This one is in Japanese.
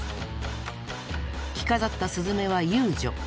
着飾ったスズメは遊女。